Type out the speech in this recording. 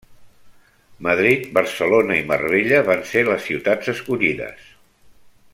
Madrid, Barcelona i Marbella van ser les ciutats escollides.